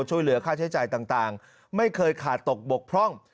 ช่วยเหลือค่าใช้จ่ายต่างไม่เคยขาดตกบกพร่อง